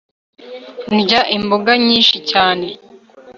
ndya imboga nyinshi cyane